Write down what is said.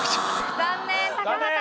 残念。